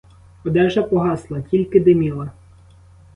Одежа погасла, тільки диміла.